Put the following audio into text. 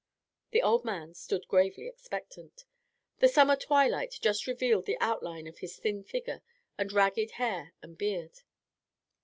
The old man stood gravely expectant. The summer twilight just revealed the outline of his thin figure and ragged hair and beard.